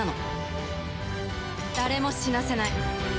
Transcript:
誰も死なせない。